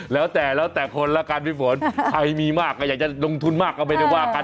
แล้วแต่แล้วแต่คนละกันพี่ฝนใครมีมากก็อยากจะลงทุนมากก็ไม่ได้ว่ากัน